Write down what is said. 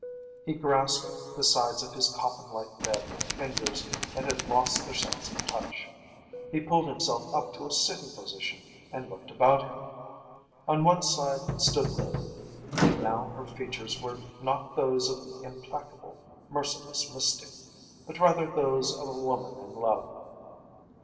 He grasped the sides of his coffinlike bed with fingers that had lost their sense of touch. He pulled himself up to a sitting position and looked about him. On one side stood Lima, though now her features were not those of the implacable, merciless mystic, but rather those of a woman in love.